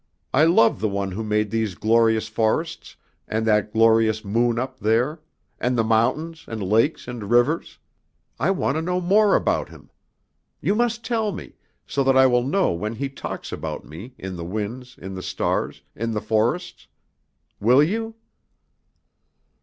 I love the one who made these glorious forests, and that glorious moon up there, and the mountains and lakes and rivers! I want to know more about him. You must tell me, so that I will know when he talks about me, in the winds, in the stars, in the forests! Will you?"